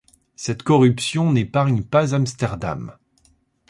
Cette corruption n’épargne pas Amsterdam.